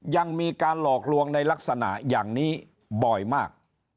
ยังมีการหลอกลวงในลักษณะอย่างนี้บ่อยมาก